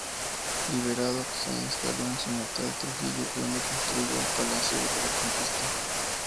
Liberado, se instaló en su natal Trujillo, donde construyó el Palacio de la Conquista.